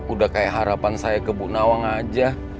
udah kayak harapan saya ke bu nawang aja